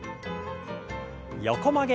横曲げ。